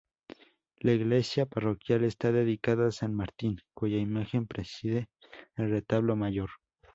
La Iglesia parroquial está dedicada a San Martín, cuya imagen preside el retablo mayor.